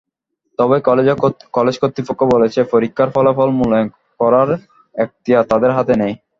তবে কলেজ কর্তৃপক্ষ বলেছে, পরীক্ষার ফলাফল মূল্যায়ন করার এখতিয়ার তাদের হাতে নেই।